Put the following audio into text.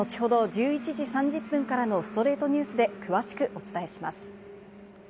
１１時３０分からの『ストレイトニュース』で詳しくお伝えします。